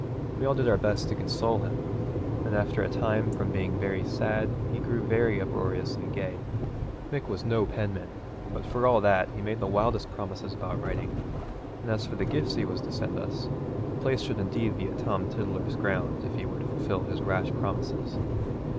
We all did our best to console him, and after a time from being very sad he grew rather uproariously gay. Mick was no penman, but for all that he made the wildest promises about writing, and as for the gifts he was to send us, the place should be indeed a Tom Tiddler's ground if he were to fulfil his rash promises.